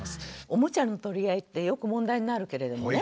おもちゃの取り合いってよく問題になるけれどもね。